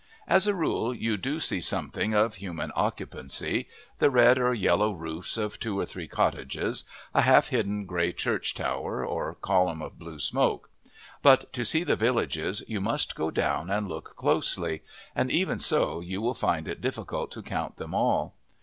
As a rule you do see something of human occupancy the red or yellow roofs of two or three cottages, a half hidden grey church tower, or column of blue smoke, but to see the villages you must go down and look closely, and even so you will find it difficult to count them all.